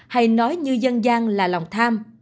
hay nói như dân gian là lòng tham